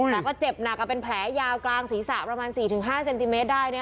แต่ก็เจ็บหนักเป็นแผลยาวกลางศีรษะประมาณ๔๕เซนติเมตรได้